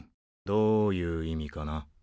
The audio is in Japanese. どういう意味かな。